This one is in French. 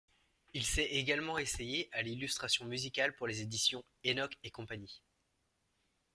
Il s'est également essayé à l'illustration musicale pour les éditions Enoch et Cie.